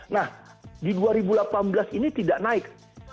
nah di dua ribu delapan belas ini tidak naik